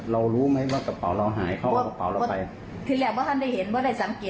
เรารู้ไหมว่ากระเป๋าเราหายเขาออกกระเป๋าเราไป